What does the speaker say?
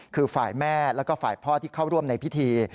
คือฝ่ายแม่แล้วก็ฝ่ายพ่อที่เข้าร่วมในพิธี